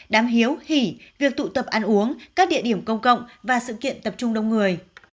đám hiếu hỉ việc tụ tập ăn uống các địa điểm công cộng và sự kiện tập trung đông người